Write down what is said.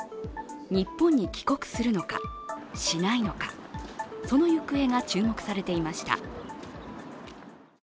日本に帰国するのか、しないのかそのゆくえが注目されていました。